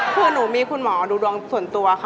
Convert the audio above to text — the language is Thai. คือหนูมีคุณหมอดูดวงส่วนตัวค่ะ